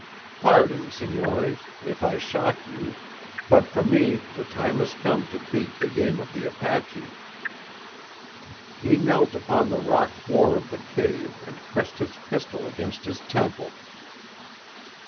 Pardon, senores, if I shock you, but for me the time is come to beat the game of the Apache.' "He knelt upon the rock floor of the cave and pressed his pistol against his temple.